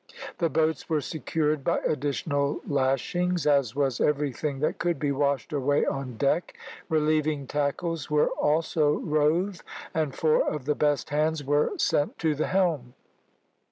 The boats were secured by additional lashings, as was everything that could be washed away on deck. Relieving tackles were also rove, and four of the best hands were sent to the helm.